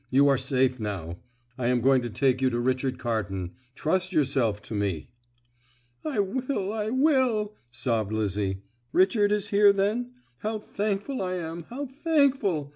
"You are safe now. I am going to take you to Richard Carton. Trust yourself to me." "I will, I will!" sobbed Lizzie, "Richard is here, then? How thankful I am, how thankful!